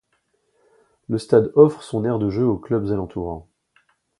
Le stade offre son aire de jeu aux clubs alentours.